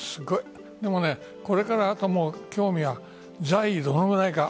これからあと、興味は在位、どのぐらいか。